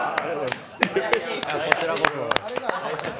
こちらこそ。